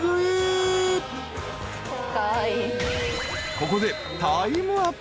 ［ここでタイムアップ］